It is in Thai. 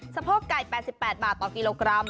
สะโพกไก่๘๘บาทต่อกิโลกรัม